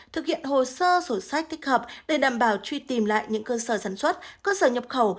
thực hiện hồ sơ sổ sách thích hợp để đảm bảo truy tìm lại những cơ sở sản xuất cơ sở nhập khẩu